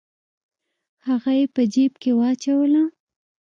هغه یې په جیب کې واچوله.